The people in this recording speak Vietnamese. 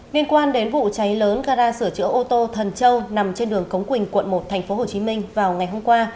liên quan đến vụ cháy lớn gara sửa chữa ô tô thần châu nằm trên đường cống quỳnh quận một tp hcm vào ngày hôm qua